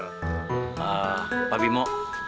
eh pak bimo